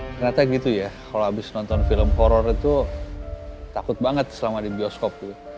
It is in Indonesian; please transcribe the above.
ternyata gitu ya kalau habis nonton film horror itu takut banget selama di bioskop